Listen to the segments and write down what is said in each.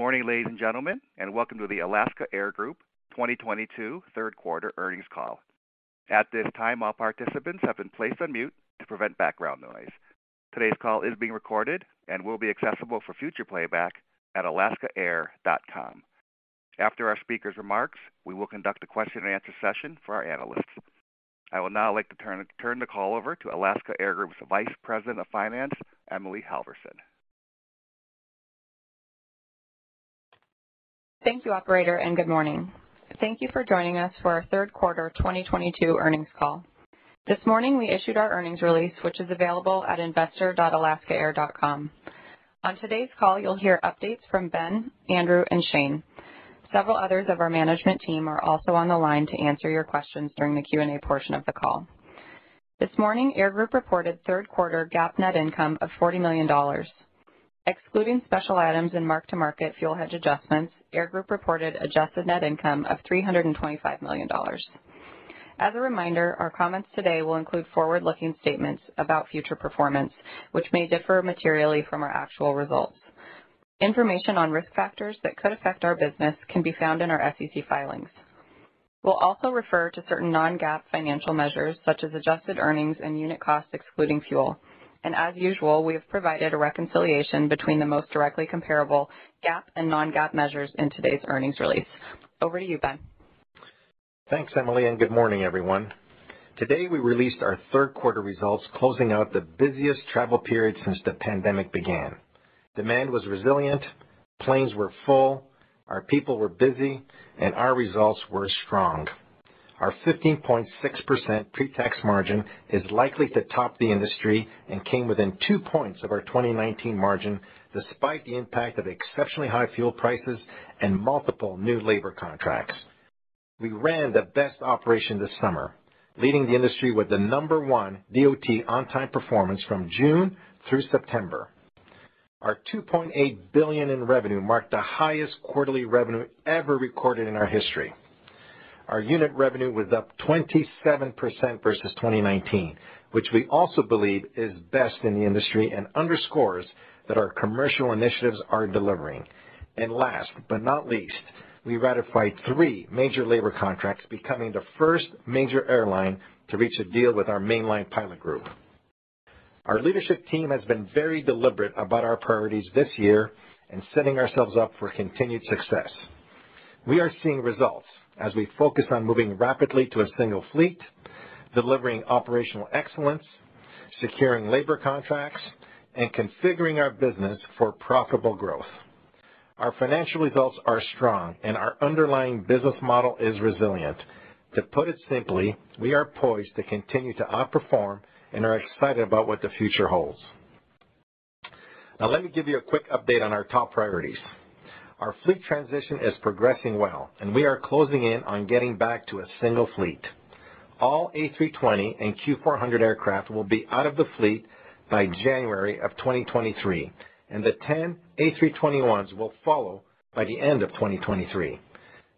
Morning, ladies and gentlemen, and welcome to the Alaska Air Group 2022 Q3 earnings call. At this time, all participants have been placed on mute to prevent background noise. Today's call is being recorded and will be accessible for future playback at alaskaair.com. After our speakers' remarks, we will conduct a question-and-answer session for our analysts. I would now like to turn the call over to Alaska Air Group's Vice President of Finance, Emily Halvick. Thank you, operator, and good morning. Thank you for joining us for our Q3 2022 earnings call. This morning, we issued our earnings release, which is available at investor.alaskaair.com. On today's call, you'll hear updates from Ben, Andrew Harrison, and Shane Tackett. Several others of our management team are also on the line to answer your questions during the Q&A portion of the call. This morning, Air Group reported Q3 GAAP net income of $40 million. Excluding special items and mark-to-market fuel hedge adjustments, Air Group reported adjusted net income of $325 million. As a reminder, our comments today will include forward-looking statements about future performance, which may differ materially from our actual results. Information on risk factors that could affect our business can be found in our SEC filings. We'll also refer to certain non-GAAP financial measures, such as adjusted earnings and unit costs excluding fuel. As usual, we have provided a reconciliation between the most directly comparable GAAP and non-GAAP measures in today's earnings release. Over to you, Ben. Thanks, Emily, and good morning, everyone. Today, we released our Q3 results, closing out the busiest travel period since the pandemic began. Demand was resilient, planes were full, our people were busy, and our results were strong. Our 15.6% pre-tax margin is likely to top the industry and came within 2 points of our 2019 margin despite the impact of exceptionally high fuel prices and multiple new labor contracts. We ran the best operation this summer, leading the industry with the number 1 DOT on-time performance from June through September. Our $2.8 billion in revenue marked the highest quarterly revenue ever recorded in our history. Our unit revenue was up 27% versus 2019, which we also believe is best in the industry and underscores that our commercial initiatives are delivering. Last but not least, we ratified 3 major labor contracts, becoming the first major airline to reach a deal with our mainline pilot group. Our leadership team has been very deliberate about our priorities this year and setting ourselves up for continued success. We are seeing results as we focus on moving rapidly to a single fleet, delivering operational excellence, securing labor contracts, and configuring our business for profitable growth. Our financial results are strong, and our underlying business model is resilient. To put it simply, we are poised to continue to outperform and are excited about what the future holds. Now, let me give you a quick update on our top priorities. Our fleet transition is progressing well, and we are closing in on getting back to a single fleet. All A320 and Q400 aircraft will be out of the fleet by January 2023, and the ten A321s will follow by the end of 2023.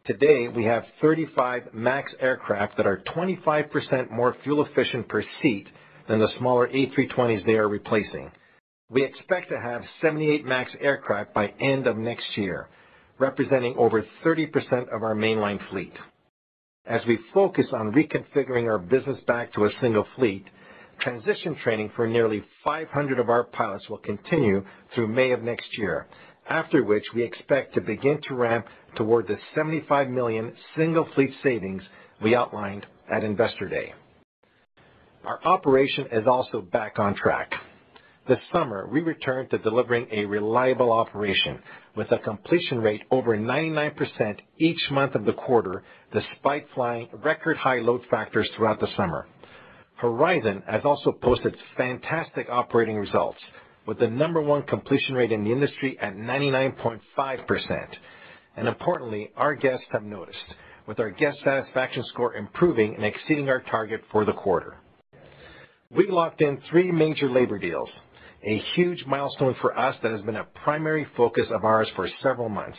Today, we have 35 MAX aircraft that are 25% more fuel efficient per seat than the smaller A320s they are replacing. We expect to have 78 MAX aircraft by end of next year, representing over 30% of our mainline fleet. We focus on reconfiguring our business back to a single fleet, transition training for nearly 500 of our pilots will continue through May of next year, after which we expect to begin to ramp toward the $75 million single fleet savings we outlined at Investor Day. Our operation is also back on track. This summer, we returned to delivering a reliable operation with a completion rate over 99% each month of the quarter, despite flying record high load factors throughout the summer. Horizon has also posted fantastic operating results with the No. 1 completion rate in the industry at 99.5%. Importantly, our guests have noticed, with our guest satisfaction score improving and exceeding our target for the quarter. We locked in 3 major labor deals, a huge milestone for us that has been a primary focus of ours for several months.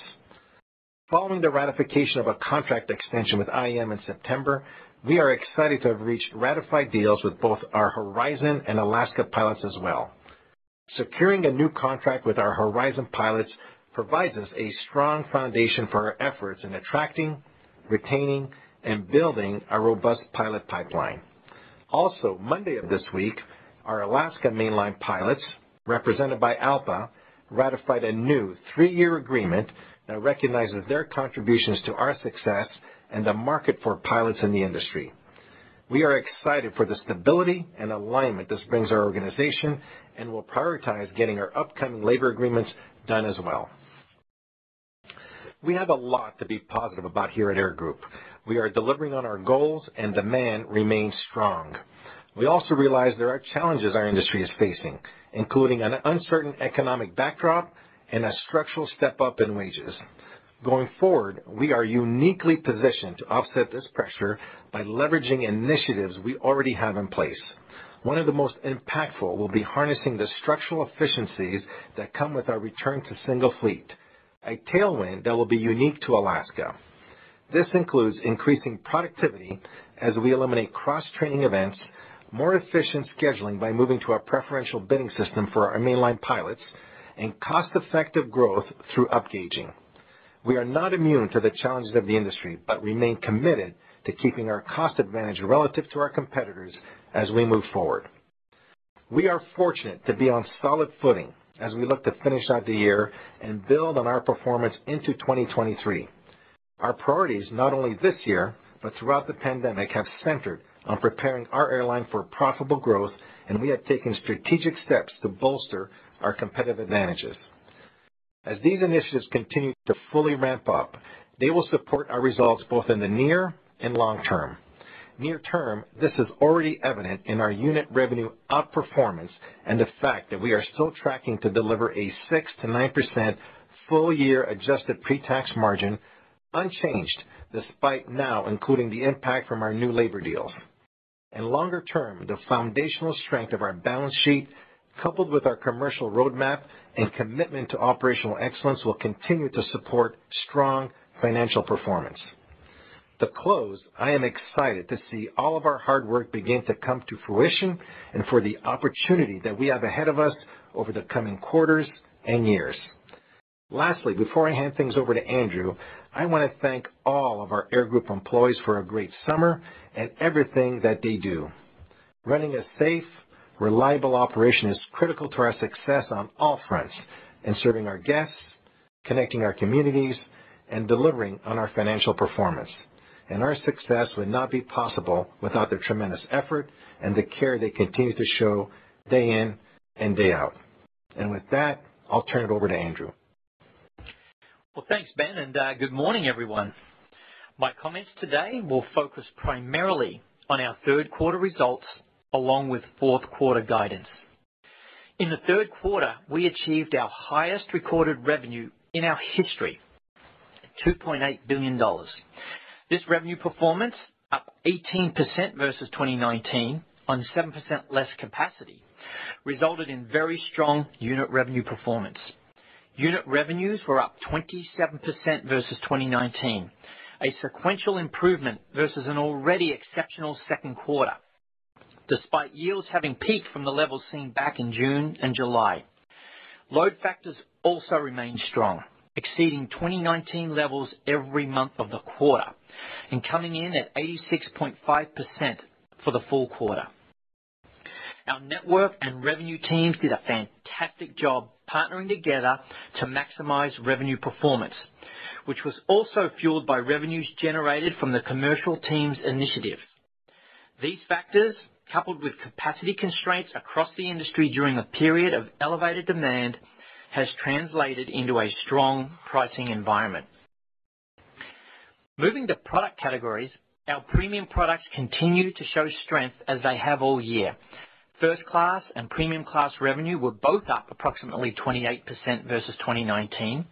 Following the ratification of a contract extension with IAM in September, we are excited to have reached ratified deals with both our Horizon and Alaska pilots as well. Securing a new contract with our Horizon pilots provides us a strong foundation for our efforts in attracting, retaining, and building a robust pilot pipeline. Also, Monday of this week, our Alaska mainline pilots, represented by ALPA, ratified a new 3-year agreement that recognizes their contributions to our success and the market for pilots in the industry. We are excited for the stability and alignment this brings our organization and will prioritize getting our upcoming labor agreements done as well. We have a lot to be positive about here at Alaska Air Group. We are delivering on our goals and demand remains strong. We also realize there are challenges our industry is facing, including an uncertain economic backdrop and a structural step-up in wages. Going forward, we are uniquely positioned to offset this pressure by leveraging initiatives we already have in place. One of the most impactful will be harnessing the structural efficiencies that come with our return to single fleet, a tailwind that will be unique to Alaska. This includes increasing productivity as we eliminate cross-training events, more efficient scheduling by moving to our preferential bidding system for our mainline pilots, and cost-effective growth through upgauging. We are not immune to the challenges of the industry, but remain committed to keeping our cost advantage relative to our competitors as we move forward. We are fortunate to be on solid footing as we look to finish out the year and build on our performance into 2023. Our priorities, not only this year, but throughout the pandemic, have centered on preparing our airline for profitable growth, and we have taken strategic steps to bolster our competitive advantages. As these initiatives continue to fully ramp up, they will support our results both in the near and long term. Near term, this is already evident in our unit revenue outperformance and the fact that we are still tracking to deliver a 6%-9% full year adjusted pre-tax margin unchanged, despite now including the impact from our new labor deal. Longer term, the foundational strength of our balance sheet, coupled with our commercial roadmap and commitment to operational excellence, will continue to support strong financial performance. To close, I am excited to see all of our hard work begin to come to fruition and for the opportunity that we have ahead of us over the coming quarters and years. Lastly, before I hand things over to Andrew, I want to thank all of our Air Group employees for a great summer and everything that they do. Running a safe, reliable operation is critical to our success on all fronts in serving our guests, connecting our communities, and delivering on our financial performance. Our success would not be possible without their tremendous effort and the care they continue to show day in and day out. With that, I'll turn it over to Andrew. Well, thanks, Ben, and good morning, everyone. My comments today will focus primarily on our Q3 results, along with Q4 guidance. In the Q3, we achieved our highest recorded revenue in our history, $2.8 billion. This revenue performance, up 18% versus 2019 on 7% less capacity, resulted in very strong unit revenue performance. Unit revenues were up 27% versus 2019, a sequential improvement versus an already exceptional Q2, despite yields having peaked from the levels seen back in June and July. Load factors also remained strong, exceeding 2019 levels every month of the quarter and coming in at 86.5% for the full quarter. Our network and revenue teams did a fantastic job partnering together to maximize revenue performance, which was also fueled by revenues generated from the commercial teams' initiatives. These factors, coupled with capacity constraints across the industry during a period of elevated demand, has translated into a strong pricing environment. Moving to product categories. Our premium products continue to show strength as they have all year. First class and premium class revenue were both up approximately 28% versus 2019.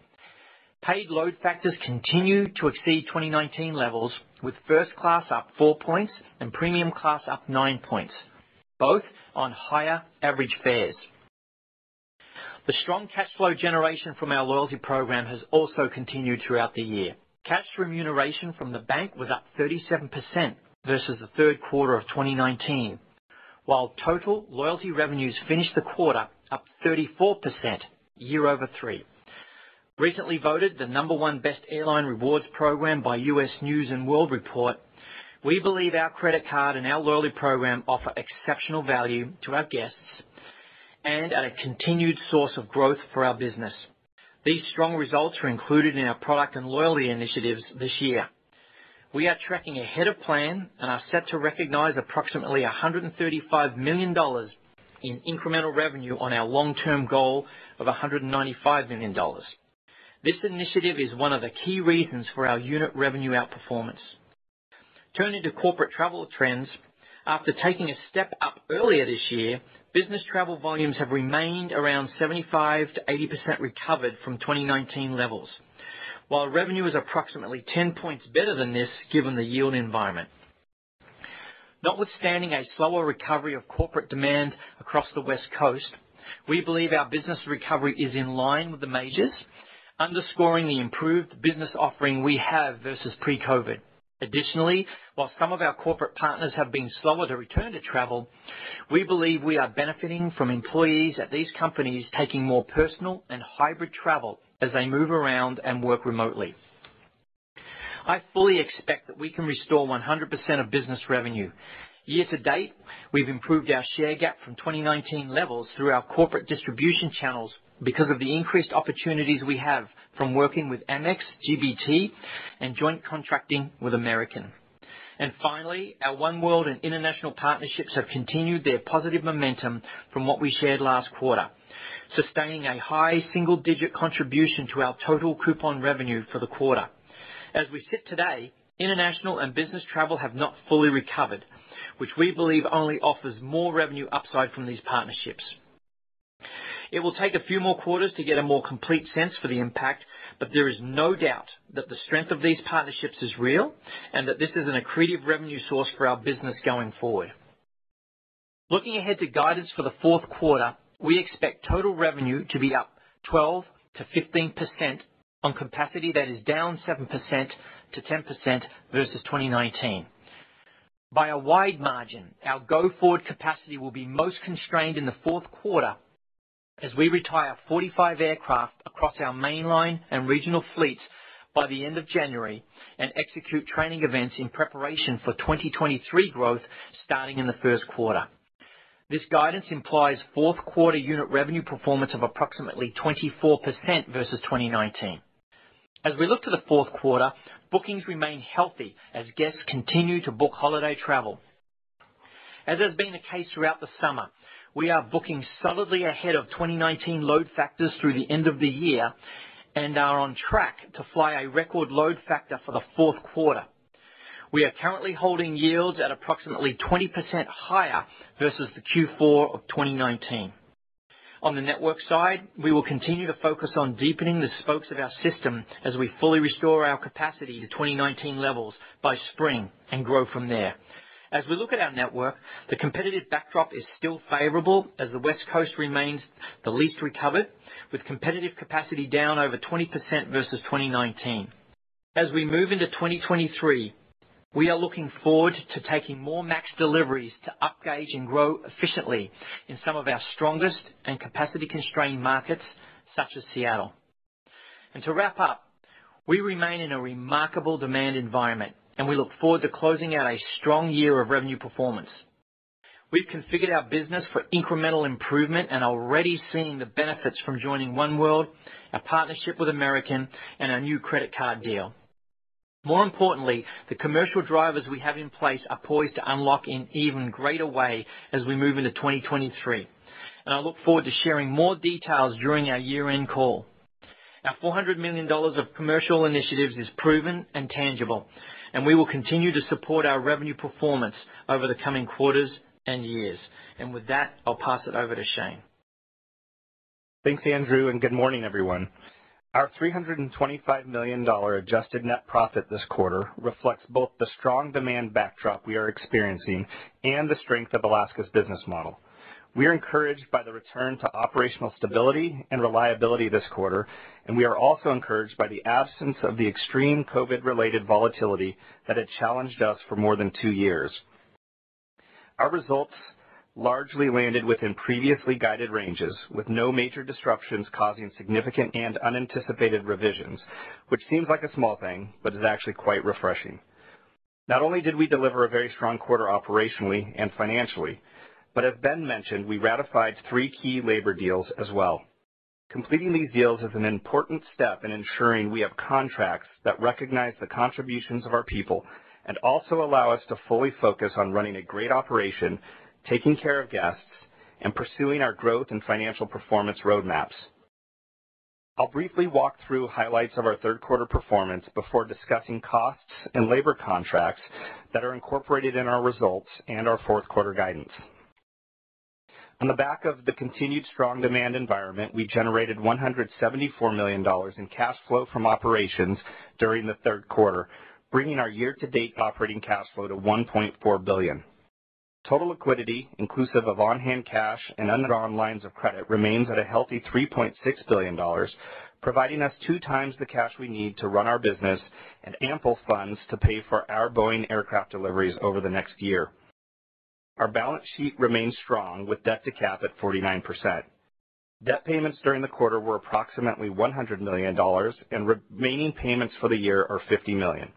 Paid load factors continue to exceed 2019 levels, with first class up 4 points and premium class up 9 points, both on higher average fares. The strong cash flow generation from our loyalty program has also continued throughout the year. Cash remuneration from the bank was up 37% versus the Q3 of 2019, while total loyalty revenues finished the quarter up 34% year-over-year. Recently voted the number 1 best airline rewards program by U.S. News & World Report, we believe our credit card and our loyalty program offer exceptional value to our guests and are a continued source of growth for our business. These strong results are included in our product and loyalty initiatives this year. We are tracking ahead of plan and are set to recognize approximately $135 million in incremental revenue on our long-term goal of $195 million. This initiative is of the key reasons for our unit revenue outperformance. Turning to corporate travel trends. After taking a step up earlier this year, business travel volumes have remained around 75%-80% recovered from 2019 levels, while revenue is approximately 10 points better than this given the yield environment. Notwithstanding a slower recovery of corporate demand across the West Coast, we believe our business recovery is in line with the majors, underscoring the improved business offering we have versus pre-COVID. Additionally, while some of our corporate partners have been slower to return to travel, we believe we are benefiting from employees at these companies taking more personal and hybrid travel as they move around and work remotely. I fully expect that we can restore 100% of business revenue. Year to date, we've improved our share gap from 2019 levels through our corporate distribution channels because of the increased opportunities we have from working with Amex GBT and joint contracting with American. Finally, our oneworld and international partnerships have continued their positive momentum from what we shared last quarter, sustaining a high single-digit contribution to our total coupon revenue for the quarter. As we sit today, international and business travel have not fully recovered, which we believe only offers more revenue upside from these partnerships. It will take a few more quarters to get a more complete sense for the impact, but there is no doubt that the strength of these partnerships is real and that this is an accretive revenue source for our business going forward. Looking ahead to guidance for the Q4, we expect total revenue to be up 12%-15% on capacity that is down 7%-10% versus 2019. By a wide margin, our go-forward capacity will be most constrained in the Q4 as we retire 45 aircraft across our mainline and regional fleets by the end of January and execute training events in preparation for 2023 growth starting in the Q1. This guidance implies Q4 unit revenue performance of approximately 24% versus 2019. As we look to the Q4, bookings remain healthy as guests continue to book holiday travel. As has been the case throughout the summer, we are booking solidly ahead of 2019 load factors through the end of the year and are on track to fly a record load factor for the Q4. We are currently holding yields at approximately 20% higher versus the Q4 of 2019. On the network side, we will continue to focus on deepening the spokes of our system as we fully restore our capacity to 2019 levels by spring and grow from there. As we look at our network, the competitive backdrop is still favorable as the West Coast remains the least recovered, with competitive capacity down over 20% versus 2019. As we move into 2023, we are looking forward to taking more MAX deliveries to up gauge and grow efficiently in some of our strongest and capacity-constrained markets such as Seattle. To wrap up, we remain in a remarkable demand environment and we look forward to closing out a strong year of revenue performance. We've configured our business for incremental improvement and are already seeing the benefits from joining oneworld, our partnership with American, and our new credit card deal. More importantly, the commercial drivers we have in place are poised to unlock in even greater way as we move into 2023, and I look forward to sharing more details during our year-end call. Our $400 million of commercial initiatives is proven and tangible, and we will continue to support our revenue performance over the coming quarters and years. With that, I'll pass it over to Shane. Thanks, Andrew, and good morning, everyone. Our $325 million adjusted net profit this quarter reflects both the strong demand backdrop we are experiencing and the strength of Alaska's business model. We are encouraged by the return to operational stability and reliability this quarter, and we are also encouraged by the absence of the extreme COVID-related volatility that had challenged us for more than 2 years. Our results largely landed within previously guided ranges, with no major disruptions causing significant and unanticipated revisions, which seems like a small thing, but is actually quite refreshing. Not only did we deliver a very strong quarter operationally and financially, but as Ben mentioned, we ratified 3 key labor deals as well. Completing these deals is an important step in ensuring we have contracts that recognize the contributions of our people and also allow us to fully focus on running a great operation, taking care of guests, and pursuing our growth and financial performance roadmaps. I'll briefly walk through highlights of our Q3 performance before discussing costs and labor contracts that are incorporated in our results and our Q4 guidance. On the back of the continued strong demand environment, we generated $174 million in cash flow from operations during the q3, bringing our year-to-date operating cash flow to $1.4 billion. Total liquidity, inclusive of on-hand cash and undrawn lines of credit, remains at a healthy $3.6 billion, providing us 2 times the cash we need to run our business and ample funds to pay for our Boeing aircraft deliveries over the next year. Our balance sheet remains strong with debt-to-cap at 49%. Debt payments during the quarter were approximately $100 million, and remaining payments for the year are $50 million.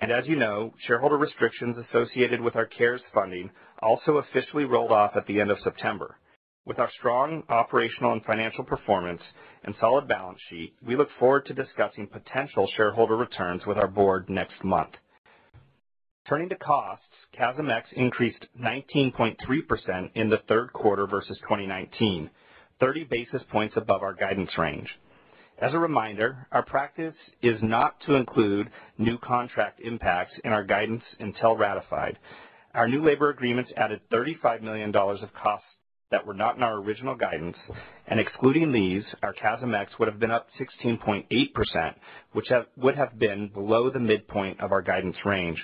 As you know, shareholder restrictions associated with our CARES funding also officially rolled off at the end of September. With our strong operational and financial performance and solid balance sheet, we look forward to discussing potential shareholder returns with our board next month. Turning to costs, CASM-ex increased 19.3% in the Q3 versus 2019, 30 basis points above our guidance range. As a reminder, our practice is not to include new contract impacts in our guidance until ratified. Our new labor agreements added $35 million of costs that were not in our original guidance, and excluding these, our CASM-ex would have been up 16.8%, which would have been below the midpoint of our guidance range.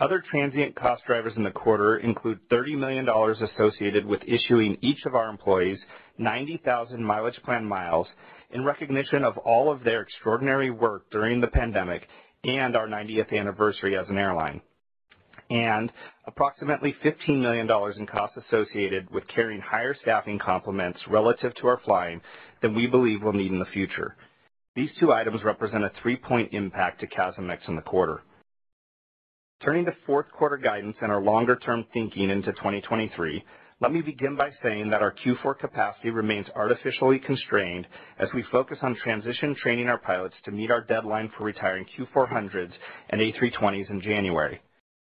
Other transient cost drivers in the quarter include $30 million associated with issuing each of our employees 90,000 Mileage Plan miles in recognition of all of their extraordinary work during the pandemic and our 90th anniversary as an airline. Approximately $15 million in costs associated with carrying higher staffing complements relative to our flyin g than we believe we'll need in the future. These 2 items represent a 3-point impact to CASM-ex in the quarter. Turning to Q4 guidance and our longer-term thinking into 2023, let me begin by saying that our Q4 capacity remains artificially constrained as we focus on transition training our pilots to meet our deadline for retiring Q400s and A320s in January.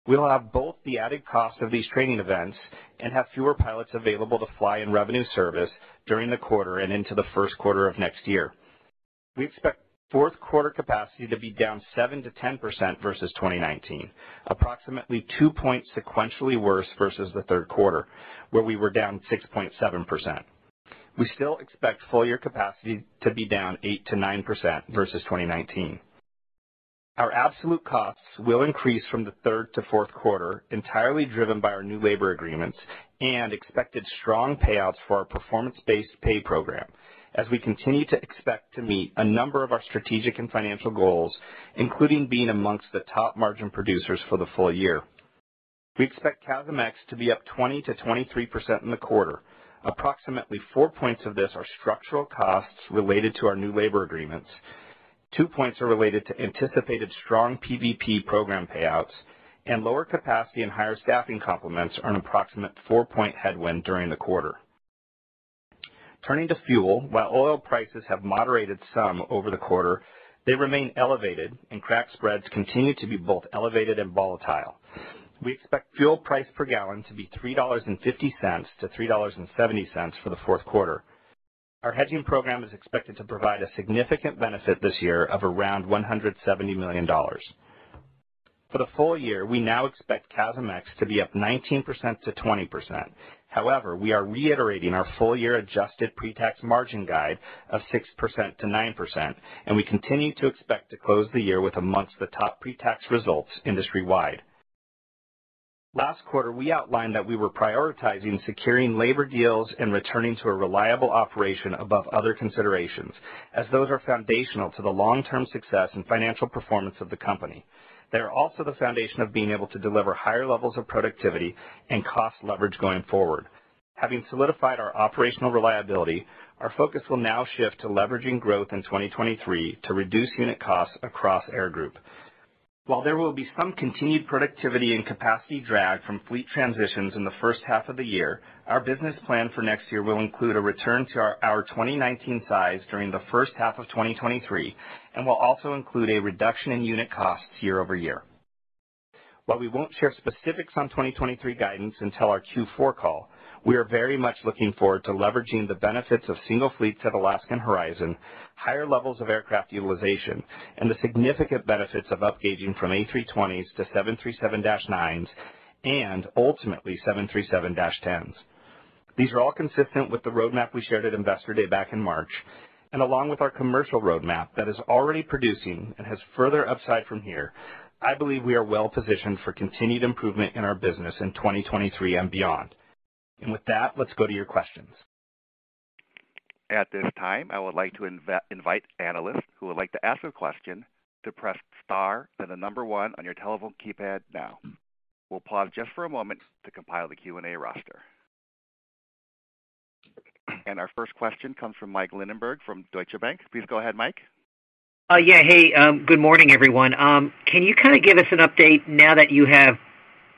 We will have both the added cost of these training events and have fewer pilots available to fly in revenue service during the quarter and into the Q1 of next year. We expect Q4 capacity to be down 7%-10% versus 2019, approximately 2 points sequentially worse versus the Q3, where we were down 6.7%. We still expect full-year capacity to be down 8%-9% versus 2019. Our absolute costs will increase from the third to Q4, entirely driven by our new labor agreements and expected strong payouts for our performance-based pay program as we continue to expect to meet a number of our strategic and financial goals, including being among the top margin producers for the full year. We expect CASM-ex to be up 20%-23% in the quarter. Approximately 4 points of this are structural costs related to our new labor agreements. 2 points are related to anticipated strong PBP program payouts, and lower capacity and higher staffing complements are an approximate 4-point headwind during the quarter. Turning to fuel, while oil prices have moderated some over the quarter, they remain elevated and crack spreads continue to be both elevated and volatile. We expect fuel price per gallon to be $3.50-$3.70 for the Q4. Our hedging program is expected to provide a significant benefit this year of around $170 million. For the full year, we now expect CASM-ex to be up 19%-20%. However, we are reiterating our full year adjusted pre-tax margin guide of 6%-9%, and we continue to expect to close the year with amongst the top pre-tax results industry-wide. Last quarter, we outlined that we were prioritizing securing labor deals and returning to a reliable operation above other considerations, as those are foundational to the long-term success and financial performance of the company. They are also the foundation of being able to deliver higher levels of productivity and cost leverage going forward. Having solidified our operational reliability, our focus will now shift to leveraging growth in 2023 to reduce unit costs across Alaska Air Group. While there will be some continued productivity and capacity drag from fleet transitions in the H1 of the year, our business plan for next year will include a return to our 2019 size during the H1 of 2023 and will also include a reduction in unit costs year over year. While we won't share specifics on 2023 guidance until our Q4 call, we are very much looking forward to leveraging the benefits of single fleets at Alaska and Horizon, higher levels of aircraft utilization, and the significant benefits of up gauging from A320s to 737-9s and ultimately 737-10s. These are all consistent with the roadmap we shared at Investor Day back in March, and along with our commercial roadmap that is already producing and has further upside from here, I believe we are well-positioned for continued improvement in our business in 2023 and beyond. With that, let's go to your questions. At this time, I would like to invite analysts who would like to ask a question to press star, then the number 1 on your telephone keypad now. We'll pause just for a moment to compile the Q&A roster. Our first question comes from Mike Linenberg from Deutsche Bank. Please go ahead, Mike. Yeah. Hey, good morning, everyone. Can you kind of give us an update now that you have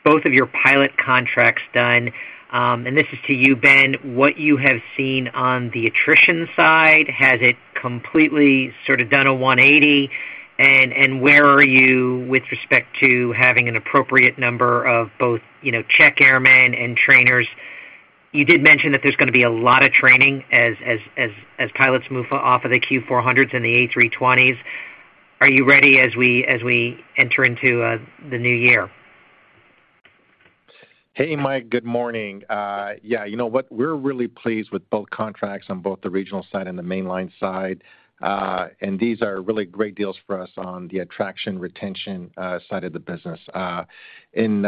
both of your pilot contracts done, and this is to you, Ben, what you have seen on the attrition side, has it completely sort of done a 180? Where are you with respect to having an appropriate number of both, you know, check airmen and trainers? You did mention that there's gonna be a lot of training as pilots move off of the Q400s and the A320s. Are you ready as we enter into the new year? Hey, Mike, good morning. Yeah, you know what? We're really pleased with both contracts on both the regional side and the mainline side. These are really great deals for us on the attraction retention side of the business. In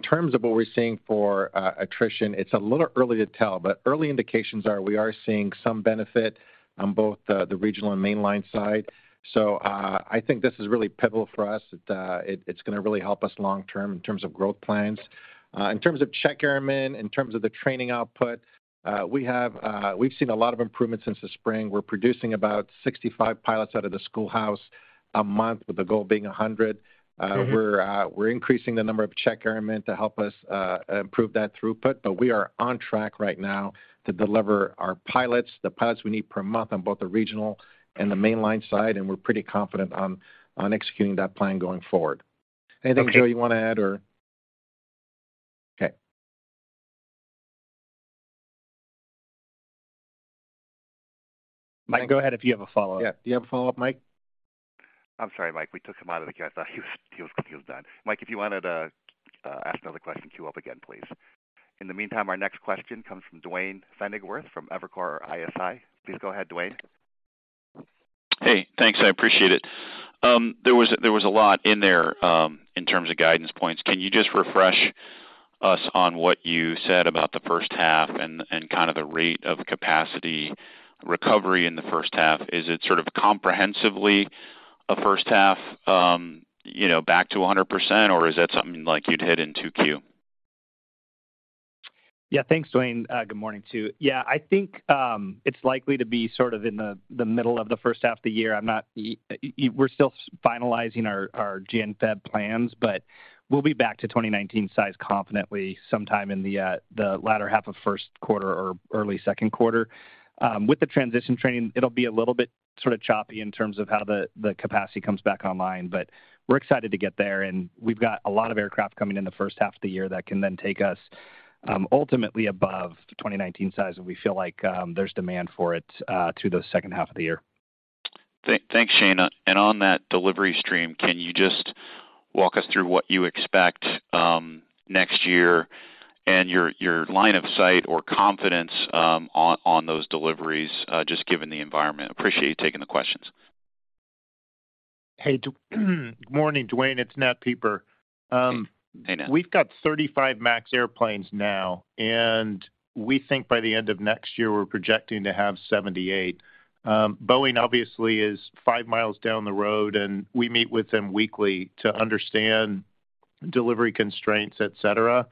terms of what we're seeing for attrition, it's a little early to tell, but early indications are we are seeing some benefit on both the regional and mainline side. I think this is really pivotal for us, that it's gonna really help us long term in terms of growth plans. In terms of check airmen, in terms of the training output, we've seen a lot of improvements since the spring. We're producing about 65 pilots out of the schoolhouse a month, with the goal being 100. Mm-hmm. We're increasing the number of check airmen to help us improve that throughput. We are on track right now to deliver our pilots, the pilots we need per month on both the regional and the mainline side, and we're pretty confident on executing that plan going forward. Okay. Anything, Joe, you wanna add? Okay. Mike, go ahead if you have a follow-up. Yeah. Do you have a follow-up, Mike? I'm sorry, Mike. We took him out of the queue. I thought he was done. Mike, if you wanted ask another question, queue up again, please. In the meantime, our next question comes from Duane Pfennigwerth from Evercore ISI. Please go ahead, Duane. Hey, thanks. I appreciate it. There was a lot in there in terms of guidance points. Can you just refresh us on what you said about the H1 and kind of the rate of capacity recovery in the H1? Is it sort of comprehensively a H1, you know, back to 100%, or is that something like you'd hit in 2Q? Yeah. Thanks, Duane. Good morning too. Yeah, I think it's likely to be sort of in the middle of the H1 of the year. We're still finalizing our Jan/Feb plans, but we'll be back to 2019 size confidently sometime in the latter half of Q1 or early Q2. With the transition training, it'll be a little bit sort of choppy in terms of how the capacity comes back online. We're excited to get there, and we've got a lot of aircraft coming in the H1 of the year that can then take us ultimately above 2019 size, and we feel like there's demand for it through the H2 of the year. Thanks, Shane. On that delivery stream, can you just? Walk us through what you expect next year and your line of sight or confidence on those deliveries just given the environment? Appreciate you taking the questions. Hey, good morning, Duane. It's Nat Pieper. Hey, Nat. We've got 35 MAX airplanes now, and we think by the end of next year, we're projecting to have 78. Boeing obviously is 5 miles down the road, and we meet with them weekly to understand delivery constraints, et cetera.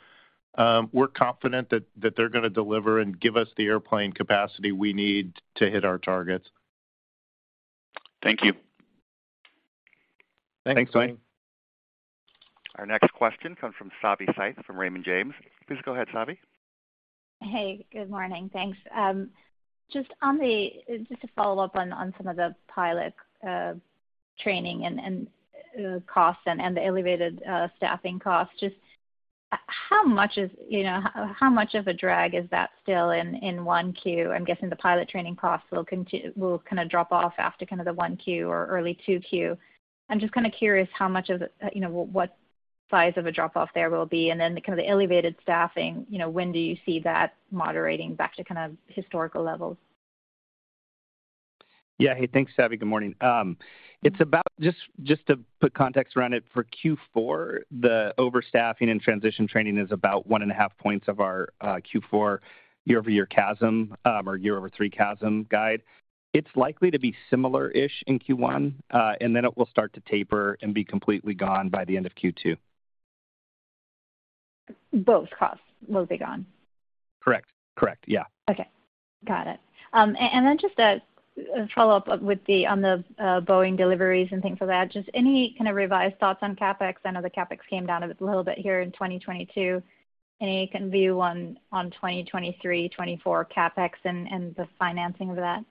We're confident that they're gonna deliver and give us the airplane capacity we need to hit our targets. Thank you. Thanks, Duane. Our next question comes from Savanthi Syth from Raymond James. Please go ahead, Savi. Hey, good morning. Thanks. Just to follow up on some of the pilot training and costs and the elevated staffing costs. Just how much is, you know, how much of a drag is that still in 1Q? I'm guessing the pilot training costs will kinda drop off after kinda the 1Q or early 2Q. I'm just kinda curious how much of the, you know, what size of a drop-off there will be. The kinda elevated staffing, you know, when do you see that moderating back to kind of historical levels? Yeah. Hey, thanks, Savi. Good morning. It's about. Just to put context around it, for Q4, the overstaffing and transition training is about 1.5 points of our Q4 year-over-year CASM or year-over-year CASM guide. It's likely to be similar-ish in Q1, and then it will start to taper and be completely gone by the end of Q2. Both costs will be gone? Correct. Yeah. Okay. Got it. Just a follow-up on the Boeing deliveries and things like that. Just any kind of revised thoughts on CapEx? I know the CapEx came down a little bit here in 2022. Any kind of view on 2023, 2024 CapEx and the financing of that?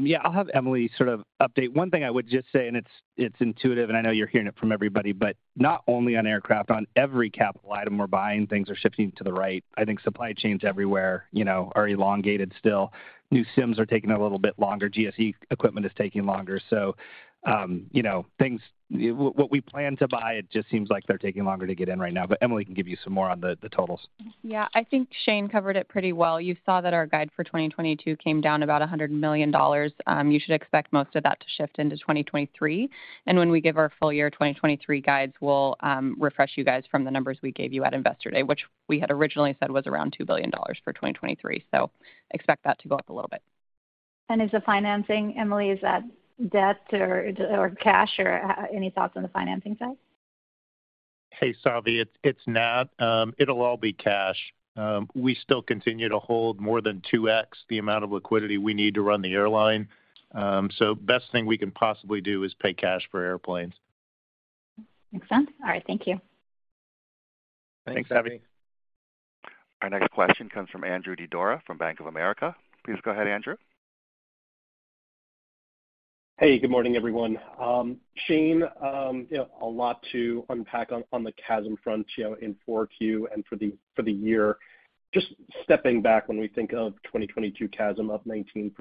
Yeah, I'll have Emily sort of update. 1 thing I would just say, and it's intuitive, and I know you're hearing it from everybody, but not only on aircraft, on every capital item we're buying, things are shifting to the right. I think supply chains everywhere, you know, are elongated still. New sims are taking a little bit longer. GSE equipment is taking longer. So, you know, what we plan to buy, it just seems like they're taking longer to get in right now. But Emily can give you some more on the totals. Yeah. I think Shane covered it pretty well. You saw that our guide for 2022 came down about $100 million. You should expect most of that to shift into 2023. When we give our full year 2023 guides, we'll refresh you guys from the numbers we gave you at Investor Day, which we had originally said was around $2 billion for 2023. Expect that to go up a little bit. Is the financing, Emily, is that debt or cash, or any thoughts on the financing side? Hey, Savi. It's Nat. It'll all be cash. We still continue to hold more than 2x the amount of liquidity we need to run the airline. Best thing we can possibly do is pay cash for airplanes. Makes sense. All right. Thank you. Thanks, Savi. Our next question comes from Andrew Didora from Bank of America. Please go ahead, Andrew. Hey, good morning, everyone. Shane, you know, a lot to unpack on the CASM front, you know, in 4Q and for the year. Just stepping back, when we think of 2022 CASM up 19%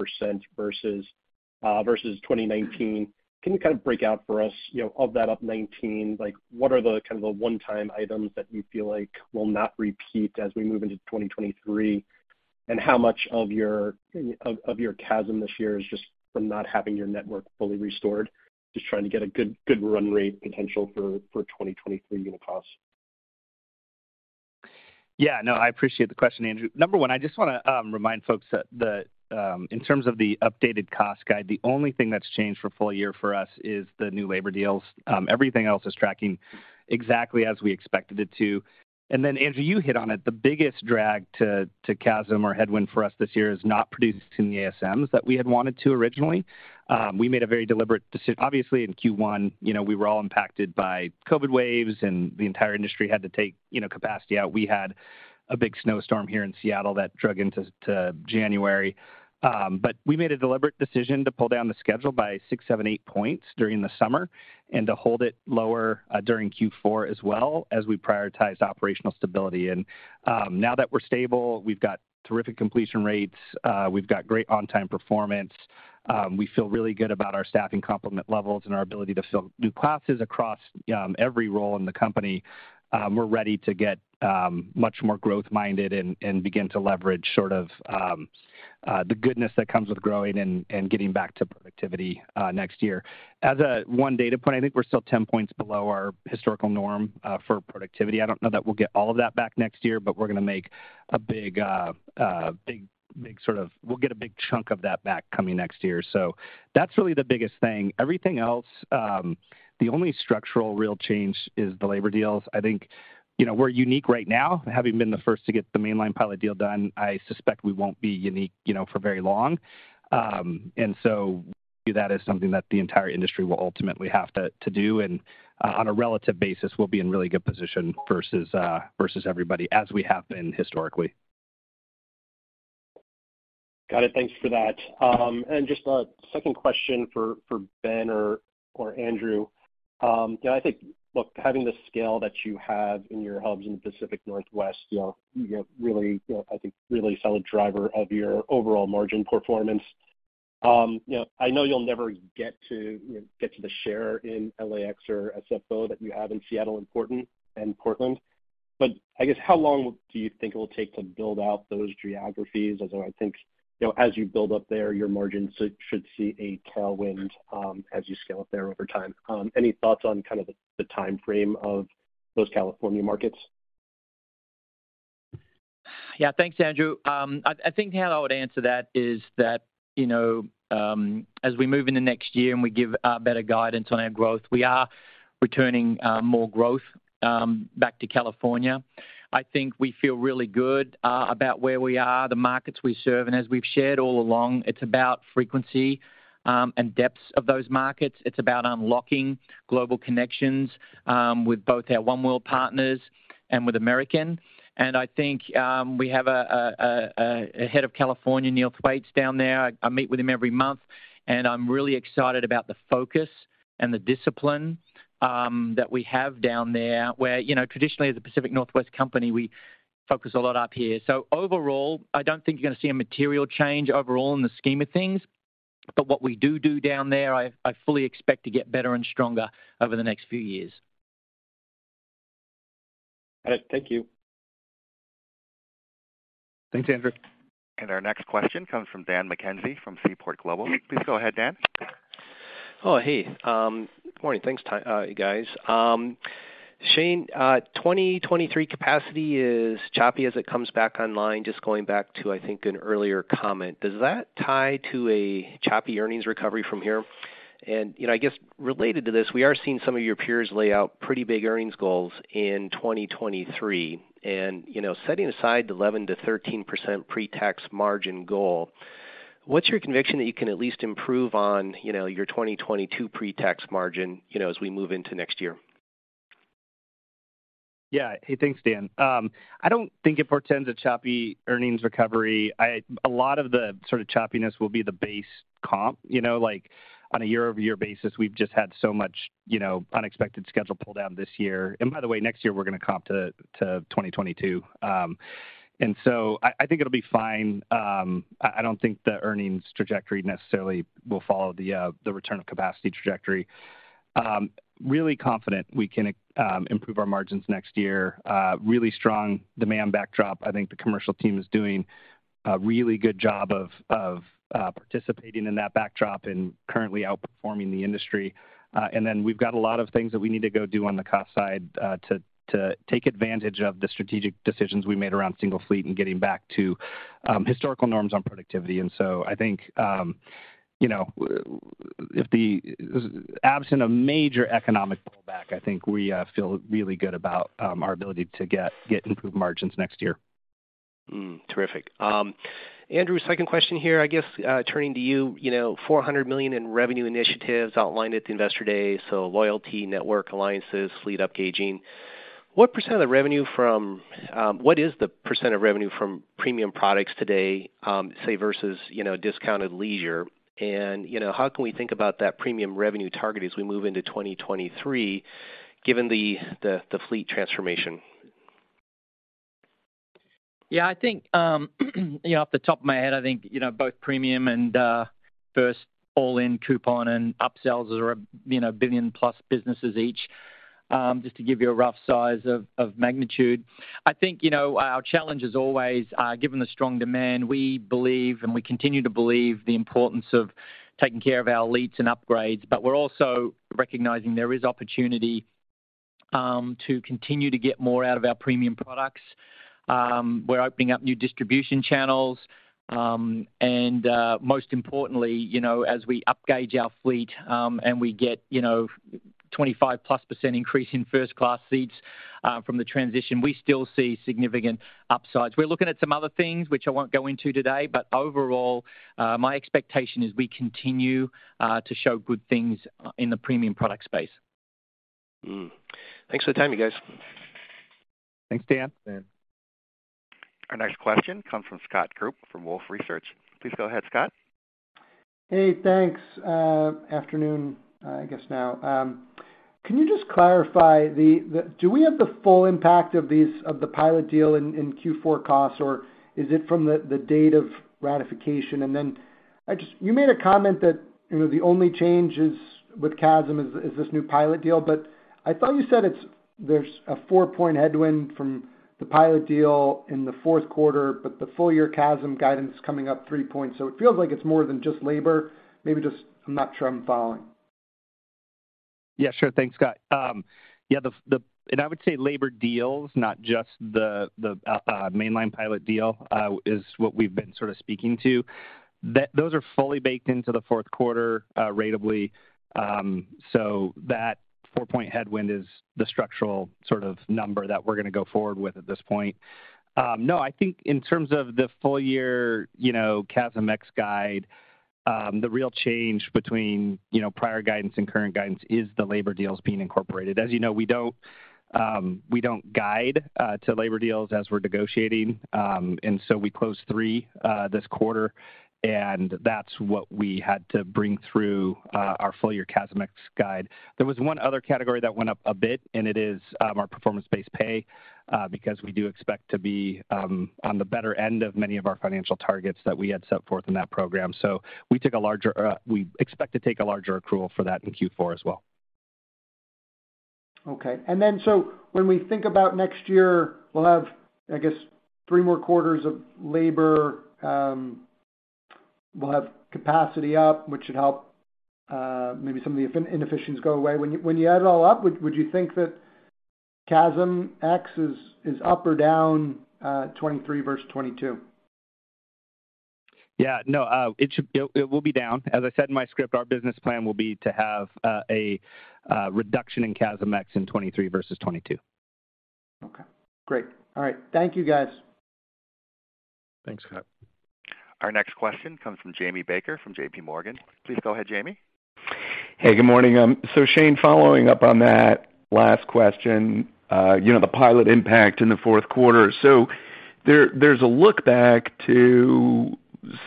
versus 2019, can you kind of break out for us, you know, of that up 19, like, what are the kind of one-time items that you feel like will not repeat as we move into 2023? And how much of your CASM this year is just from not having your network fully restored? Just trying to get a good run rate potential for 2023 unit costs. Yeah, no, I appreciate the question, Andrew. Number 1, I just wanna remind folks that in terms of the updated cost guide, the only thing that's changed for full year for us is the new labor deals. Everything else is tracking exactly as we expected it to. Then Andrew, you hit on it. The biggest drag to CASM or headwind for us this year is not producing the ASMs that we had wanted to originally. We made a very deliberate decision. Obviously, in Q1, you know, we were all impacted by COVID waves, and the entire industry had to take, you know, capacity out. We had a big snowstorm here in Seattle that dragged into January. We made a deliberate decision to pull down the schedule by 6, 7, 8 points during the summer and to hold it lower during Q4 as well as we prioritize operational stability. Now that we're stable, we've got terrific completion rates. We've got great on-time performance. We feel really good about our staffing complement levels and our ability to fill new classes across every role in the company. We're ready to get much more growth-minded and begin to leverage sort of the goodness that comes with growing and getting back to productivity next year. As a 1-data point, I think we're still 10 points below our historical norm for productivity. I don't know that we'll get all of that back next year, but we'll get a big chunk of that back coming next year. That's really the biggest thing. Everything else, the only structural real change is the labor deals. I think, you know, we're unique right now, having been the first to get the mainline pilot deal done. I suspect we won't be unique, you know, for very long. That is something that the entire industry will ultimately have to do, and on a relative basis, we'll be in really good position versus everybody as we have been historically. Got it. Thanks for that. Just a second question for Ben or Andrew. You know, I think, look, having the scale that you have in your hubs in the Pacific Northwest, you know, you have really, you know, I think really solid driver of your overall margin performance. You know, I know you'll never get to the share in LAX or SFO that you have in Seattle and Portland. I guess how long do you think it will take to build out those geographies? Although I think, you know, as you build up there, your margins should see a tailwind, as you scale up there over time. Any thoughts on kind of the timeframe of those California markets? Yeah. Thanks, Andrew. I think how I would answer that is that, you know, as we move in the next year and we give better guidance on our growth, we are returning more growth back to California. I think we feel really good about where we are, the markets we serve, and as we've shared all along, it's about frequency and depths of those markets. It's about unlocking global connections with both our oneworld partners and with American. I think we have a head of California, Neil Thwaites down there. I meet with him every month, and I'm really excited about the focus and the discipline that we have down there, where, you know, traditionally as a Pacific Northwest company, we focus a lot up here. Overall, I don't think you're gonna see a material change overall in the scheme of things. What we do down there, I fully expect to get better and stronger over the next few years. All right. Thank you. Thanks, Andrew. Our next question comes from Daniel McKenzie from Seaport Global. Please go ahead, Dan. Morning. Thanks, Ty, you guys. Shane, 2023 capacity is choppy as it comes back online. Just going back to, I think, an earlier comment. Does that tie to a choppy earnings recovery from here? You know, I guess related to this, we are seeing some of your peers lay out pretty big earnings goals in 2023. You know, setting aside the 11%-13% pretax margin goal, what's your conviction that you can at least improve on, you know, your 2022 pretax margin, you know, as we move into next year? Yeah. Hey, thanks, Dan. I don't think it portends a choppy earnings recovery. A lot of the sort of choppiness will be the base comp, you know? Like, on a year-over-year basis, we've just had so much, you know, unexpected schedule pull down this year. By the way, next year we're gonna comp to 2022. I think it'll be fine. I don't think the earnings trajectory necessarily will follow the return of capacity trajectory. Really confident we can improve our margins next year. Really strong demand backdrop. I think the commercial team is doing a really good job of participating in that backdrop and currently outperforming the industry. we've got a lot of things that we need to go do on the cost side, to take advantage of the strategic decisions we made around single fleet and getting back to historical norms on productivity. I think, you know, absent a major economic pullback, I think we feel really good about our ability to get improved margins next year. Terrific. Andrew, second question here, I guess, turning to you. You know, $400 million in revenue initiatives outlined at the Investor Day, so loyalty, network alliances, fleet upgauging. What is the % of revenue from premium products today, say, versus, you know, discounted leisure? You know, how can we think about that premium revenue target as we move into 2023, given the fleet transformation? Yeah. I think, you know, off the top of my head, I think, you know, both premium and first all-in coupon and upsells are, you know, billion-plus businesses each, just to give you a rough size of magnitude. I think, you know, our challenge is always, given the strong demand, we believe and we continue to believe the importance of taking care of our leads and upgrades, but we're also recognizing there is opportunity to continue to get more out of our premium products. We're opening up new distribution channels. Most importantly, you know, as we upgauge our fleet, and we get, you know, 25%+ increase in first-class seats, from the transition, we still see significant upsides. We're looking at some other things which I won't go into today, but overall, my expectation is we continue to show good things in the premium product space. Thanks for the time, you guys. Thanks, Dan. Dan. Our next question comes from Scott Group from Wolfe Research. Please go ahead, Scott. Hey, thanks. Afternoon, I guess now. Can you just clarify, do we have the full impact of the pilot deal in Q4 costs, or is it from the date of ratification? You made a comment that, you know, the only change with CASM is this new pilot deal, but I thought you said there's a 4-point headwind from the pilot deal in the Q4, but the full year CASM guidance is coming up 3 points, so it feels like it's more than just labor. Maybe I'm not sure I'm following. Yeah, sure. Thanks, Scott. Yeah, the labor deals, not just the mainline pilot deal, is what we've been sort of speaking to. Those are fully baked into the Q4, ratably. So that 4-point headwind is the structural sort of number that we're gonna go forward with at this point. No, I think in terms of the full year, you know, CASM ex guide, the real change between, you know, prior guidance and current guidance is the labor deals being incorporated. As you know, we don't guide to labor deals as we're negotiating. We closed 3 this quarter, and that's what we had to bring through our full year CASM ex guide. There was 1 other category that went up a bit, and it is our performance-based pay because we do expect to be on the better end of many of our financial targets that we had set forth in that program. We expect to take a larger accrual for that in Q4 as well. Okay. When we think about next year, we'll have, I guess, 3 more quarters of labor, we'll have capacity up, which should help, maybe some of the inefficiencies go away. When you add it all up, would you think that CASM-ex is up or down, 2023 versus 2022? No. It will be down. As I said in my script, our business plan will be to have a reduction in CASM-ex in 2023 versus 2022. Okay. Great. All right. Thank you, guys. Thanks, Scott. Our next question comes from Jamie Baker from JP Morgan. Please go ahead, Jamie. Hey, good morning. Shane, following up on that last question, you know, the pilot impact in the Q4. There's a look back to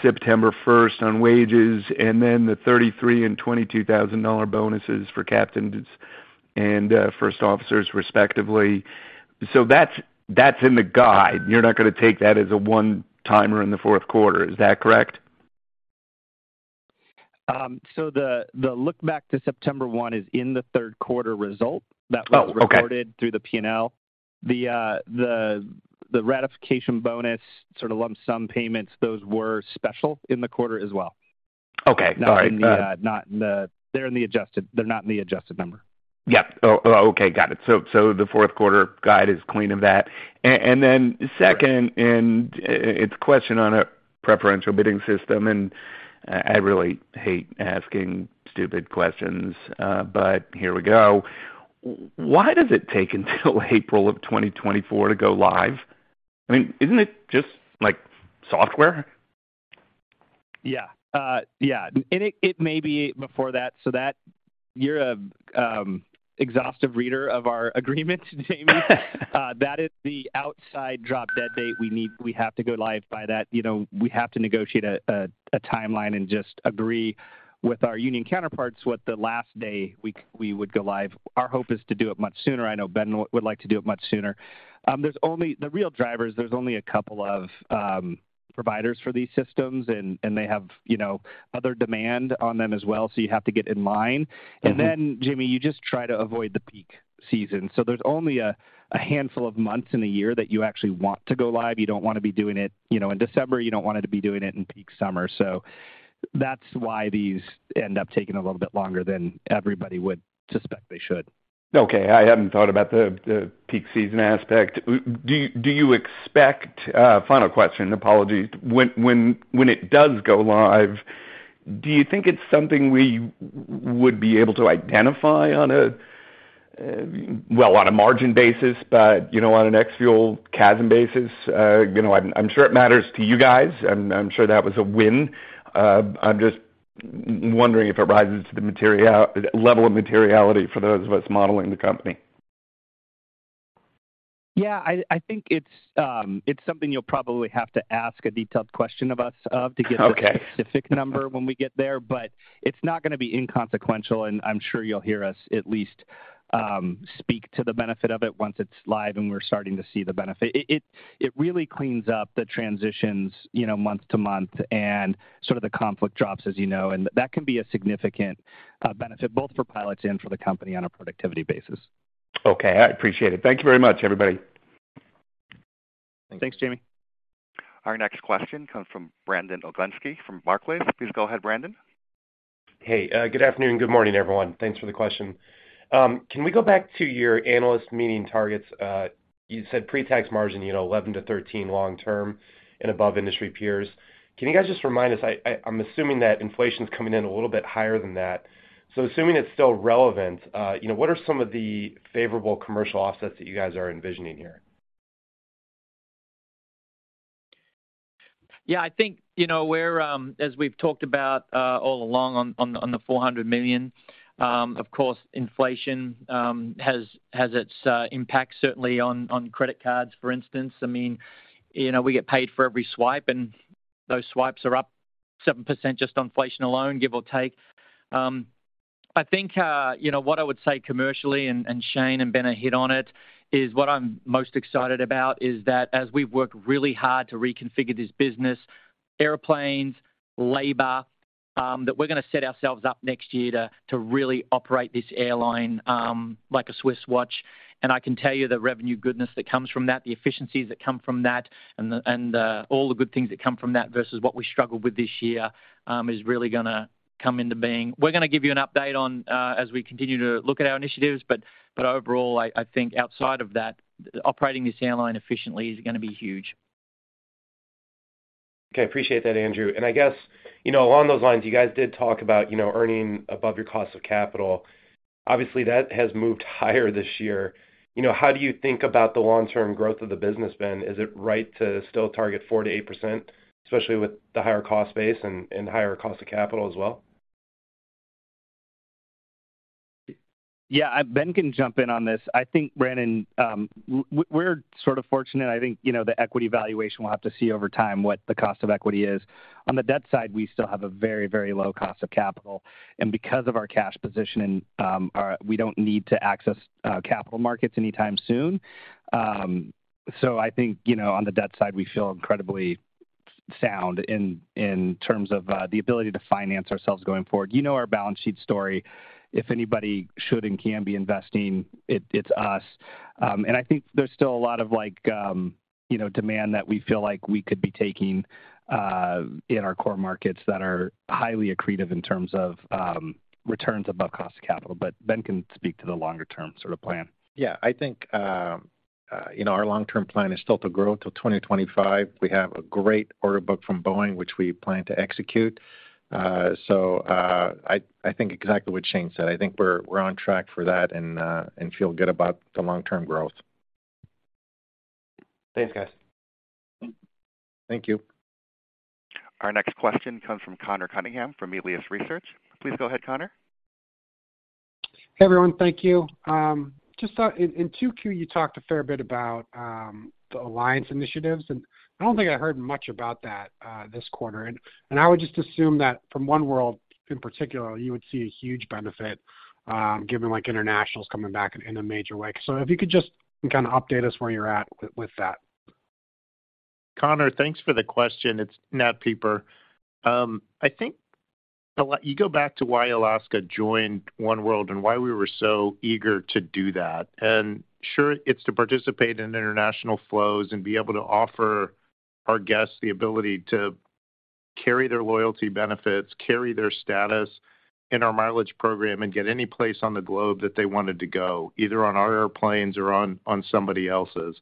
September first on wages and then the $33,000 and $22,000 bonuses for captains and first officers respectively. That's in the guide. You're not gonna take that as a one-timer in the Q4. Is that correct? The look back to September 1 is in the Q3 result. Oh, okay. That was reported through the P&L. The ratification bonus sort of lump sum payments, those were special in the quarter as well. Okay. All right. They're in the adjusted. They're not in the adjusted number. Yeah. Oh, okay. Got it. The Q4 guide is clean of that. Then second, it's a question on a preferential bidding system, and I really hate asking stupid questions, but here we go. Why does it take until April of 2024 to go live? I mean, isn't it just like software? Yeah. Yeah. It may be before that. That you're an exhaustive reader of our agreement, Jamie. That is the outside drop dead date we need. We have to go live by that. You know, we have to negotiate a timeline and just agree with our union counterparts what the last day we would go live. Our hope is to do it much sooner. I know Ben would like to do it much sooner. There's only the real drivers. There's only a couple of providers for these systems and they have, you know, other demand on them as well, so you have to get in line. Mm-hmm. Jamie, you just try to avoid the peak season. There's only a handful of months in a year that you actually want to go live. You don't wanna be doing it, you know, in December. You don't want to be doing it in peak summer. That's why these end up taking a little bit longer than everybody would suspect they should. Okay. I hadn't thought about the peak season aspect. Do you expect, final question, apologies. When it does go live, do you think it's something we would be able to identify on a margin basis, but you know, on an ex fuel CASM basis? You know, I'm sure it matters to you guys, and I'm sure that was a win. I'm just wondering if it rises to the material level of materiality for those of us modeling the company. Yeah. I think it's something you'll probably have to ask a detailed question of us to get. Okay. a specific number when we get there, but it's not gonna be inconsequential, and I'm sure you'll hear us at least speak to the benefit of it once it's live and we're starting to see the benefit. It really cleans up the transitions, you know, month to month and sort of the conflict drops, as you know. That can be a significant benefit both for pilots and for the company on a productivity basis. Okay. I appreciate it. Thank you very much, everybody. Thanks, Jamie. Our next question comes from Brandon Oglenski from Barclays. Please go ahead, Brandon. Hey, good afternoon. Good morning, everyone. Thanks for the question. Can we go back to your analyst meeting targets? You said pretax margin, you know, 11%-13% long term and above industry peers. Can you guys just remind us, I'm assuming that inflation's coming in a little bit higher than that. Assuming it's still relevant, you know, what are some of the favorable commercial offsets that you guys are envisioning here? Yeah, I think, you know, we're as we've talked about all along on the $400 million, of course, inflation has its impact certainly on credit cards, for instance. I mean, you know, we get paid for every swipe, and those swipes are up 7% just on inflation alone, give or take. I think, you know, what I would say commercially, and Shane and Ben have hit on it, is what I'm most excited about is that as we've worked really hard to reconfigure this business, airplanes, labor, that we're gonna set ourselves up next year to really operate this airline like a Swiss watch. I can tell you the revenue goodness that comes from that, the efficiencies that come from that and all the good things that come from that versus what we struggled with this year is really gonna come into being. We're gonna give you an update on, as we continue to look at our initiatives, but overall, I think outside of that, operating this airline efficiently is gonna be huge. Okay. Appreciate that, Andrew. I guess, you know, along those lines, you guys did talk about, you know, earning above your cost of capital. Obviously, that has moved higher this year. You know, how do you think about the long-term growth of the business, Ben? Is it right to still target 4%-8%, especially with the higher cost base and higher cost of capital as well? Yeah. Ben can jump in on this. I think, Brandon, we're sort of fortunate. I think, you know, the equity valuation, we'll have to see over time what the cost of equity is. On the debt side, we still have a very, very low cost of capital, and because of our cash position, we don't need to access capital markets anytime soon. So I think, you know, on the debt side, we feel incredibly sound in terms of the ability to finance ourselves going forward. You know our balance sheet story. If anybody should and can be investing, it's us. I think there's still a lot of like, you know, demand that we feel like we could be taking in our core markets that are highly accretive in terms of returns above cost of capital, but Ben can speak to the longer term sort of plan. Yeah. I think, you know, our long-term plan is still to grow till 2025. We have a great order book from Boeing, which we plan to execute. I think exactly what Shane said. I think we're on track for that and feel good about the long-term growth. Thanks, guys. Thank you. Our next question comes from Connor Cunningham from Melius Research. Please go ahead, Connor Cunningham. Hey, everyone. Thank you. In 2Q, you talked a fair bit about the alliance initiatives, and I don't think I heard much about that this quarter. I would just assume that from oneworld in particular, you would see a huge benefit, given like internationals coming back in a major way. If you could just kind of update us where you're at with that. Connor, thanks for the question. It's Nat Pieper. I think a lot, you go back to why Alaska joined oneworld and why we were so eager to do that. Sure, it's to participate in international flows and be able to offer our guests the ability to carry their loyalty benefits, carry their status in our mileage program, and get any place on the globe that they wanted to go, either on our airplanes or on somebody else's.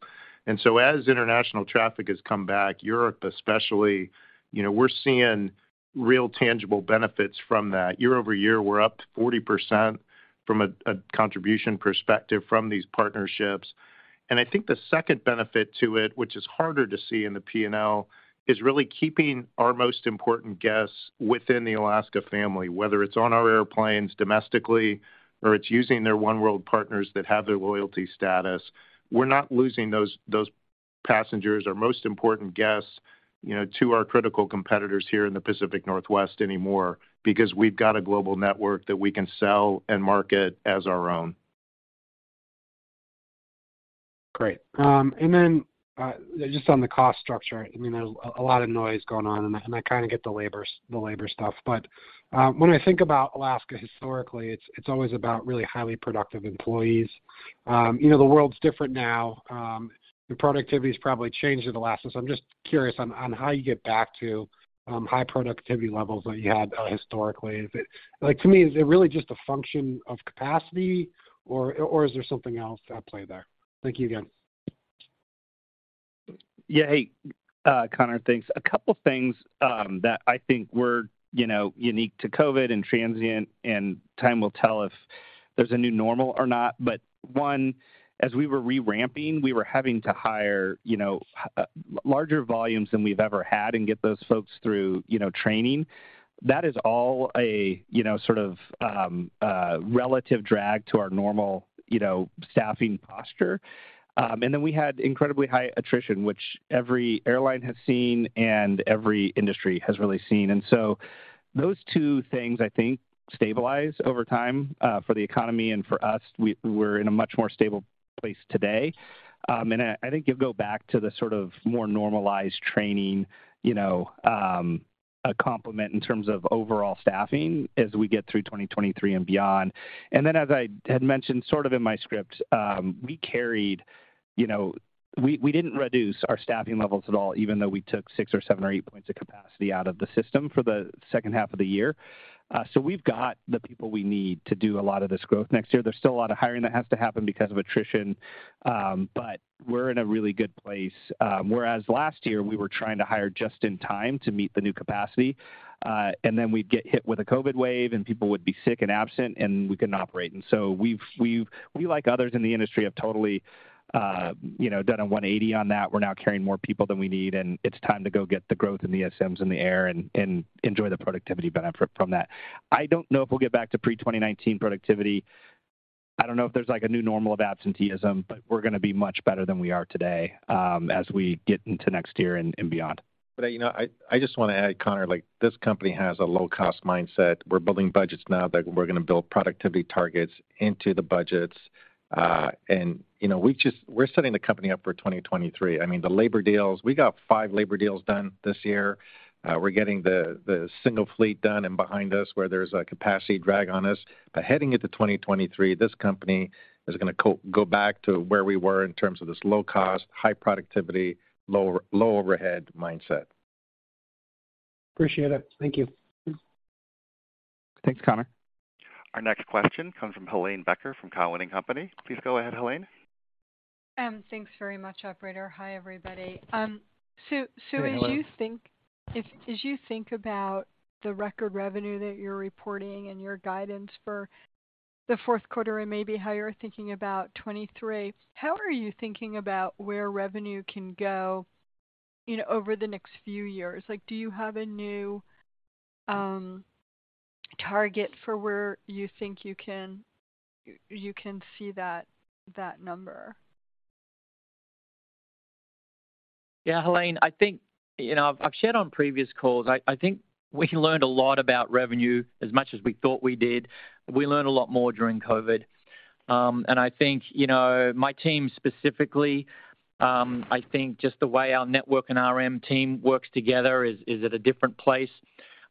As international traffic has come back, Europe especially, you know, we're seeing real tangible benefits from that. Year-over-year, we're up 40% from a contribution perspective from these partnerships. I think the second benefit to it, which is harder to see in the P&L, is really keeping our most important guests within the Alaska family, whether it's on our airplanes domestically or it's using their oneworld partners that have their loyalty status. We're not losing those passengers or most important guests, you know, to our critical competitors here in the Pacific Northwest anymore because we've got a global network that we can sell and market as our own. Great. And then, just on the cost structure, I mean, there's a lot of noise going on, and I kind of get the labor stuff, but when I think about Alaska historically, it's always about really highly productive employees. You know, the world's different now, and productivity has probably changed, so I'm just curious on how you get back to high productivity levels that you had historically. Like, to me, is it really just a function of capacity or is there something else at play there? Thank you again. Yeah. Hey, Connor. Thanks. A couple things that I think were, you know, unique to COVID and transient and time will tell if there's a new normal or not. But one, as we were re-ramping, we were having to hire, you know, larger volumes than we've ever had and get those folks through, you know, training. That is all a, you know, sort of relative drag to our normal, you know, staffing posture. Then we had incredibly high attrition, which every airline has seen and every industry has really seen. Those 2 things, I think, stabilize over time for the economy and for us. We're in a much more stable place today. I think you'll go back to the sort of more normalized training, you know, a complement in terms of overall staffing as we get through 2023 and beyond. As I had mentioned sort of in my script, we didn't reduce our staffing levels at all, even though we took 6, 7 or 8 points of capacity out of the system for the H2 of the year. We've got the people we need to do a lot of this growth next year. There's still a lot of hiring that has to happen because of attrition, but we're in a really good place. Whereas last year, we were trying to hire just in time to meet the new capacity, and then we'd get hit with a COVID wave, and people would be sick and absent, and we couldn't operate. We've, like others in the industry, have totally, you know, done a 180 on that. We're now carrying more people than we need, and it's time to go get the growth in the ASMs in the air and enjoy the productivity benefit from that. I don't know if we'll get back to pre-2019 productivity. I don't know if there's like a new normal of absenteeism, but we're gonna be much better than we are today, as we get into next year and beyond. You know, I just wanna add, Connor, like, this company has a low cost mindset. We're building budgets now that we're gonna build productivity targets into the budgets. You know, we're setting the company up for 2023. I mean, the labor deals, we got 5 labor deals done this year. We're getting the single fleet done and behind us where there's a capacity drag on us. Heading into 2023, this company is gonna go back to where we were in terms of this low cost, high productivity, low overhead mindset. Appreciate it. Thank you. Thanks, Connor. Our next question comes from Helane Becker from Cowen and Company. Please go ahead, Helane Becker. Thanks very much, operator. Hi, everybody. Hey, Helane As you think about the record revenue that you're reporting and your guidance for the Q4 and maybe how you're thinking about 2023, how are you thinking about where revenue can go, you know, over the next few years? Like, do you have a new target for where you think you can see that number? Yeah. Helane, I think, you know, I've shared on previous calls. I think we learned a lot about revenue as much as we thought we did. We learned a lot more during COVID. I think, you know, my team specifically. I think just the way our network and RM team works together is at a different place.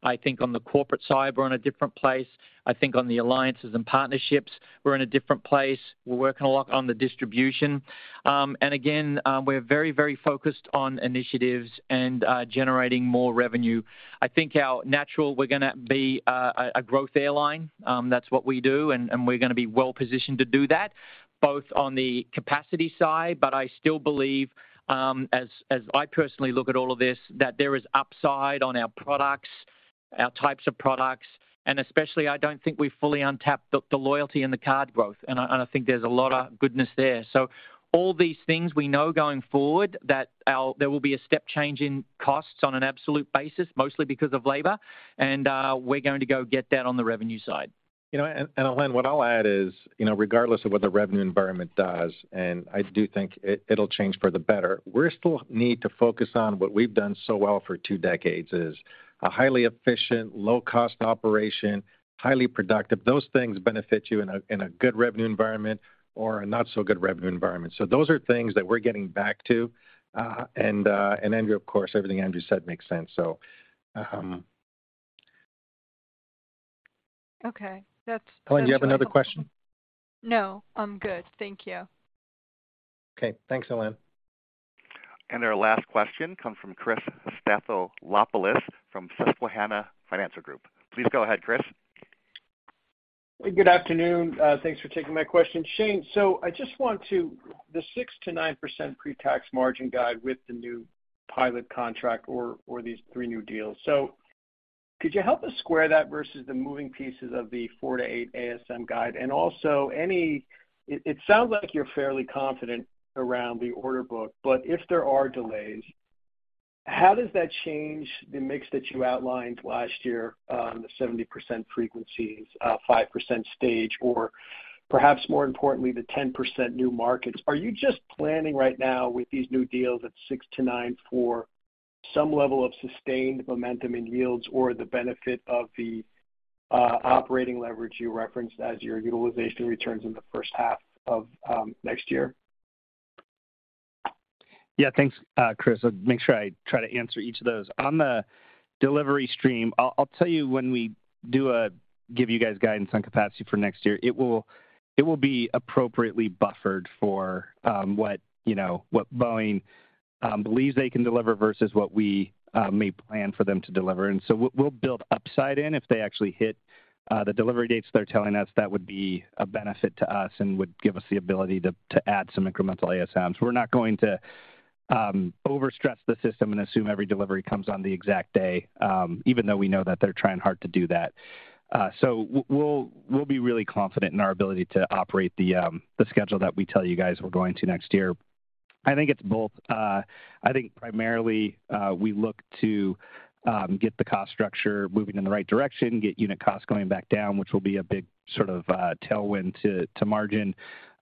I think on the corporate side, we're in a different place. I think on the alliances and partnerships, we're in a different place. We're working a lot on the distribution. Again, we're very focused on initiatives and generating more revenue. I think we're gonna be a growth airline. That's what we do, and we're gonna be well-positioned to do that, both on the capacity side, but I still believe, as I personally look at all of this, that there is upside on our products, our types of products, and especially I don't think we've fully untapped the loyalty and the card growth, and I think there's a lot of goodness there. All these things we know going forward that there will be a step change in costs on an absolute basis, mostly because of labor, and we're going to go get that on the revenue side. You know, Helane, what I'll add is, you know, regardless of what the revenue environment does, and I do think it'll change for the better, we still need to focus on what we've done so well for 2 decades, is a highly efficient, low-cost operation, highly productive. Those things benefit you in a good revenue environment or a not-so-good revenue environment. Those are things that we're getting back to. Andrew, of course, everything Andrew said makes sense. Okay. Helane, do you have another question? No, I'm good. Thank you. Okay. Thanks, Helane. Our last question comes from Christopher Stathoulopoulos from Susquehanna Financial Group. Please go ahead, Christopher Stathoulopoulos. Good afternoon. Thanks for taking my question. Shane, the 6%-9% pretax margin guide with the new pilot contract or these 3 new deals. Could you help us square that versus the moving pieces of the 4-8 ASM guide? Also any. It sounds like you're fairly confident around the order book, but if there are delays, how does that change the mix that you outlined last year, the 70% frequencies, 5% stage, or perhaps more importantly, the 10% new markets? Are you just planning right now with these new deals at 6-9 for some level of sustained momentum in yields or the benefit of the operating leverage you referenced as your utilization returns in the H1 of next year? Yeah. Thanks, Chris. I'll make sure I try to answer each of those. On the delivery stream, I'll tell you when we do give you guys guidance on capacity for next year, it will be appropriately buffered for what you know what Boeing believes they can deliver versus what we may plan for them to deliver. We'll build upside in if they actually hit the delivery dates they're telling us that would be a benefit to us and would give us the ability to add some incremental ASMs. We're not going to overstress the system and assume every delivery comes on the exact day even though we know that they're trying hard to do that. We'll be really confident in our ability to operate the schedule that we tell you guys we're going to next year. I think it's both. I think primarily, we look to get the cost structure moving in the right direction, get unit costs going back down, which will be a big sort of tailwind to margin.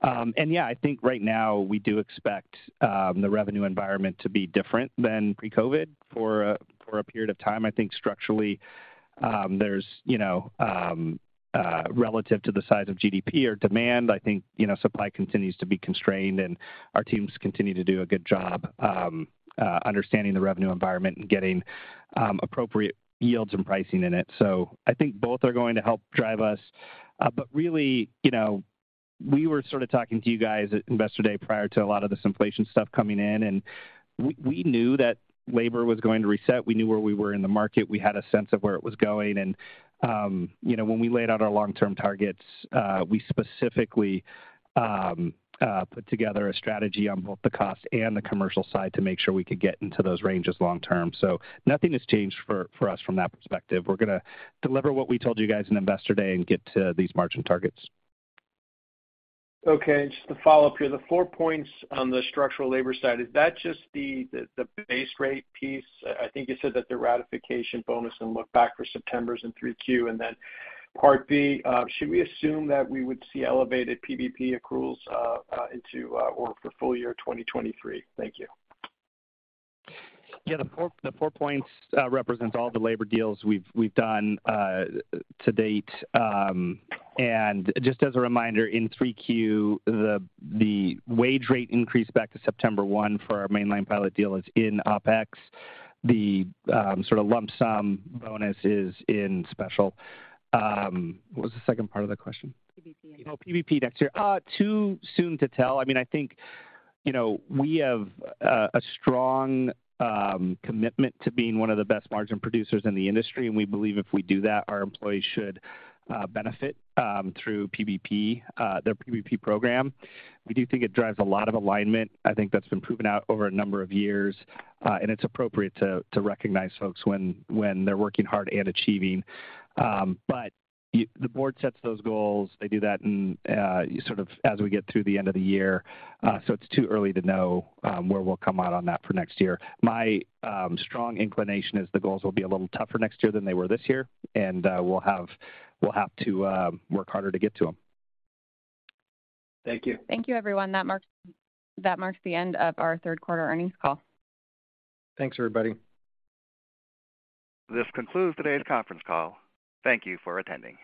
Yeah, I think right now we do expect the revenue environment to be different than pre-COVID for a period of time. I think structurally, there's you know relative to the size of GDP or demand, I think you know supply continues to be constrained and our teams continue to do a good job understanding the revenue environment and getting appropriate yields and pricing in it. I think both are going to help drive us. Really, you know, we were sort of talking to you guys at Investor Day prior to a lot of this inflation stuff coming in, and we knew that labor was going to reset. We knew where we were in the market. We had a sense of where it was going. You know, when we laid out our long-term targets, we specifically put together a strategy on both the cost and the commercial side to make sure we could get into those ranges long term. Nothing has changed for us from that perspective. We're gonna deliver what we told you guys in Investor Day and get to these margin targets. Okay. Just to follow up here, the 4 points on the structural labor side, is that just the base rate piece? I think you said that the ratification bonus and look back for September is in 3Q. Part B, should we assume that we would see elevated PBP accruals into or for full year 2023? Thank you. Yeah. The 4 points represents all the labor deals we've done to date. Just as a reminder, in 3Q, the wage rate increase back to September 1 for our mainline pilot deal is in OpEx. The sort of lump sum bonus is in special. What was the second part of the question? PBP next year. PBP next year. Too soon to tell. I mean, I think, you know, we have a strong commitment to being 1 of the best margin producers in the industry, and we believe if we do that, our employees should benefit through PBP, their PBP program. We do think it drives a lot of alignment. I think that's been proven out over a number of years, and it's appropriate to recognize folks when they're working hard and achieving. The board sets those goals. They do that in sort of as we get through the end of the year, so it's too early to know where we'll come out on that for next year. My strong inclination is the goals will be a little tougher next year than they were this year, and we'll have to work harder to get to them. Thank you. Thank you, everyone. That marks the end of our Q3 earnings call. Thanks, everybody. This concludes today's conference call. Thank you for attending.